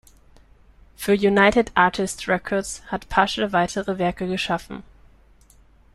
Für United Artists Records hat Pasche weitere Werke geschaffen.